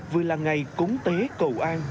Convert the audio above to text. vừa là ngày cúng tế cầu an